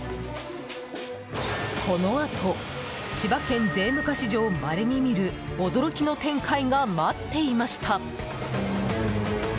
このあと千葉県税務課史上まれに見る驚きの展開が待っていました。